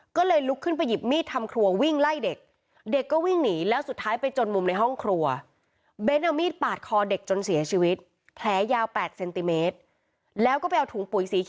ก็เลยลุกขึ้นไปหยิบมีดทำครัววิ่งไล่เด็ก